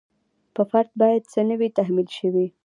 په فرد باید څه نه وي تحمیل شوي.